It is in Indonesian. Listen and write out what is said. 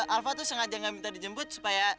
alva tuh sengaja gak minta dijemput supaya